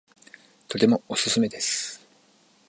とてもおすすめです